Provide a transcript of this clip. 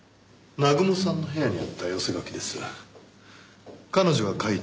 南雲さんの部屋にあった寄せ書きです。